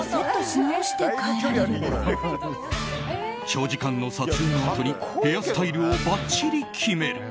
長時間の撮影のあとにヘアスタイルをばっちりキメる。